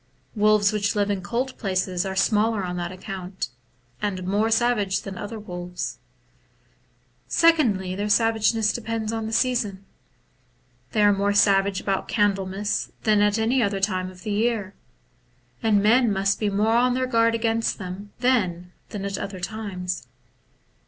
Wolves which live in cold places are smaller on that account, and more savage than other wolves. Secondly, their savageness depends on the season ; they are more savage about Candlemas than at any other time of the year, and men must be more on their guard against them then than at other times.